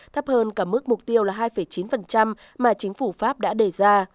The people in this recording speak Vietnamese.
thấp hơn cả mức mục tiêu là hai chín mà chính phủ pháp đã đề ra